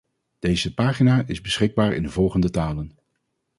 Deze pagina is beschikbaar in de volgende talen